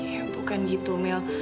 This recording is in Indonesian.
ya bukan gitu mel